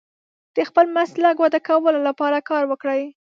د خپل مسلک وده کولو لپاره کار وکړئ.